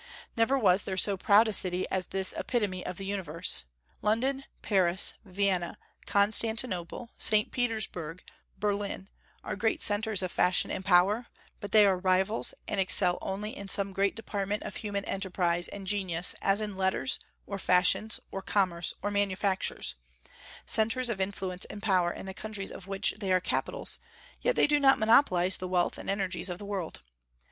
Never was there so proud a city as this "Epitome of the Universe." London, Paris, Vienna, Constantinople, St. Petersburg, Berlin, are great centres of fashion and power; but they are rivals, and excel only in some great department of human enterprise and genius, as in letters, or fashions, or commerce, or manufactures, centres of influence and power in the countries of which they are capitals, yet they do not monopolize the wealth and energies of the world.